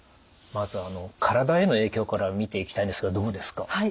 まず体への影響から見ていきたいんですがどうですか？